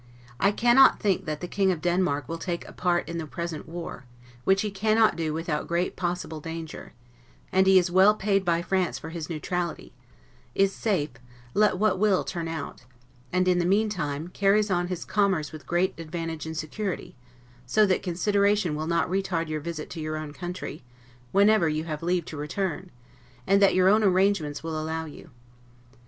I cannot think that the King of Denmark will take a part in the present war; which he cannot do without great possible danger; and he is well paid by France for his neutrality; is safe, let what will turn out; and, in the meantime, carries on his commerce with great advantage and security; so that that consideration will not retard your visit to your own country, whenever you have leave to return, and that your own ARRANGEMENTS will allow you.